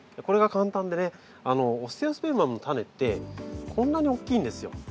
これが簡単でねステオスペルマムのタネってこんなに大きいんですよ。